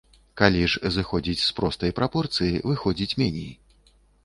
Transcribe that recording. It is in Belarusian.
Калі ж зыходзіць з простай прапорцыі, выходзіць меней.